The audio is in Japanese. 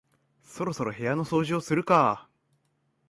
そろそろ部屋の掃除をするか